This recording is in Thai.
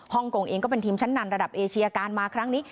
กงเองก็เป็นทีมชั้นนำระดับเอเชียการมาครั้งนี้